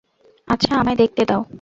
আচ্ছা, আমায় দেখতে দাও।